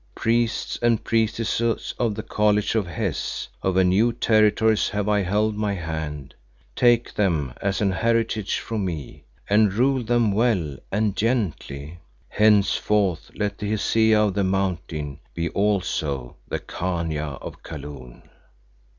"Priests and priestesses of the College of Hes, over new territories have I held my hand; take them as an heritage from me, and rule them well and gently. Henceforth let the Hesea of the Mountain be also the Khania of Kaloon.